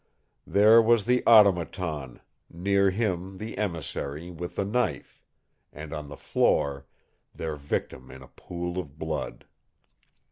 There was the Automaton, near him the emissary with the knife and on the floor their victim in a pool of blood.